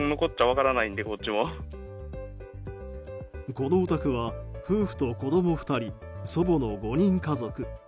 このお宅は夫婦と子供の２人祖母の５人家族。